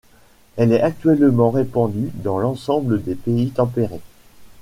Elle est actuellement répandue dans l'ensemble des pays tempérés.